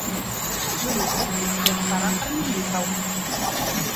Гэта жылы корпус кляштара кармелітаў.